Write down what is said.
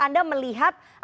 anda melihat apa yang terjadi